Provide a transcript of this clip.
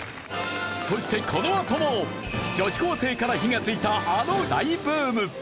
そしてこのあとも女子高生から火がついたあの大ブーム！